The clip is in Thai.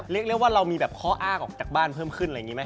เรียกว่าเรามีแบบข้ออ้างออกจากบ้านเพิ่มขึ้นอะไรอย่างนี้ไหม